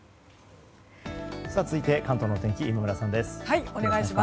続いて、関東のお天気今村さんです。